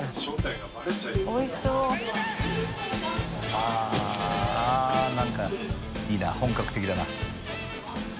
あっ何かいいな本格的だな。